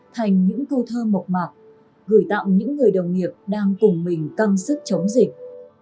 thành những câu thơ mộc mạc gửi tặng những người đồng nghiệp đang cùng mình căng sức chống dịch